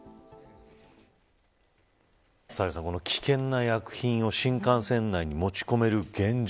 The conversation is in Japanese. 危険な薬品を新幹線内に持ち込める現状